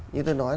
như tôi nói